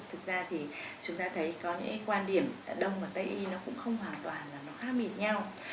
thực ra thì chúng ta thấy có những quan điểm đông mà tây y nó cũng không hoàn toàn là nó khác biệt nhau